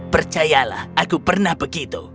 percayalah aku pernah begitu